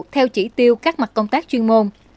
theo chỉ tiêu các mặt công tác chuyên môn